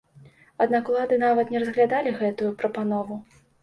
Аднак улады нават не разглядалі гэтую прапанову.